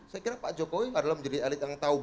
saya kira pak jokowi adalah menjadi elit yang tahu